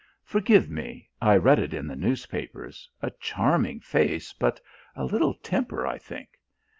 Forgive me, I read it in the newspapers a charming face but a little temper, I think.